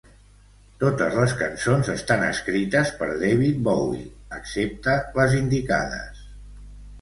Totes les cançons estan escrites per David Bowie, excepte les indicades.